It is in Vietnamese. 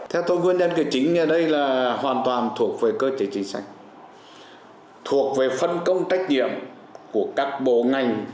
theo tôi nguyên nhân cái chính ở đây là hoàn toàn thuộc về cơ chế chính sách thuộc về phân công trách nhiệm của các bộ ngành